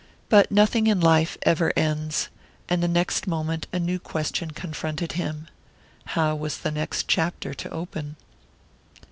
But nothing in life ever ends, and the next moment a new question confronted him how was the next chapter to open?